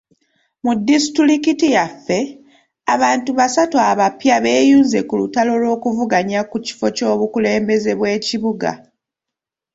Mu disitulikiti yaffe, abantu basatu abapya beeyunze ku lutalo lw'okuvuganya ku kifo ky'obukulembeze bw'ekibuga.